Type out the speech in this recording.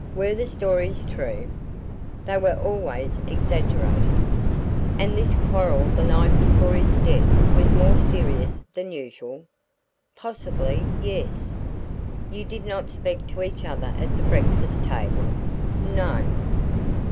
"Were the stories true?" "They were always exaggerated." "And this quarrel the night before his death was more serious than usual?" "Possibly yes." "You did not speak to each other at the breakfast table?" "No."